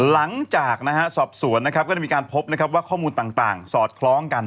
หลังจากนะฮะสอบสวนนะครับก็ได้มีการพบนะครับว่าข้อมูลต่างสอดคล้องกัน